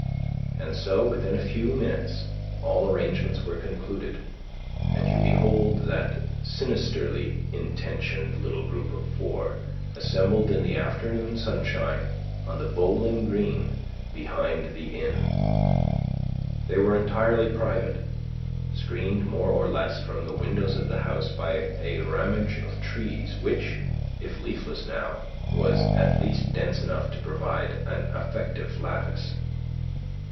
And so, within a few minutes, all arrangements were concluded, and you behold that sinisterly intentioned little group of four assembled in the afternoon sunshine on the bowling green behind the inn. They were entirely private, screened more or less from the windows of the house by a ramage of trees, which, if leafless now, was at least dense enough to provide an effective lattice.